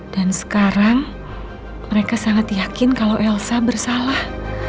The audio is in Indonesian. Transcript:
dan sekarang mereka sangat yakin kalau elsa bersalah